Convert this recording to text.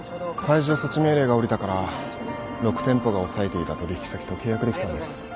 排除措置命令が下りたから６店舗が押さえていた取引先と契約できたんです。